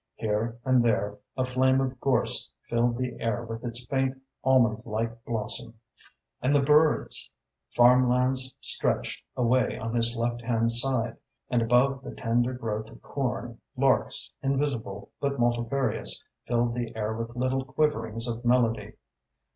Here and there, a flame of gorse filled the air with its faint, almond like blossom. And the birds! Farmlands stretched away on his left hand side, and above the tender growth of corn, larks invisible but multifarious filled the air with little quiverings of melody.